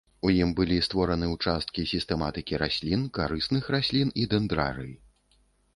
У ім былі створаны ўчасткі сістэматыкі раслін, карысных раслін і дэндрарый.